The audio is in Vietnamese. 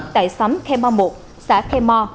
tại xóm khe mo một xã khe mo